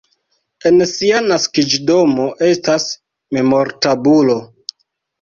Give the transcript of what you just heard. En sia naskiĝdomo estas memortabulo.